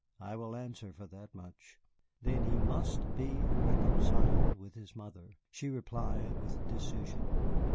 "I will answer for that much." "Then he must be reconciled with his mother," she replied with decision.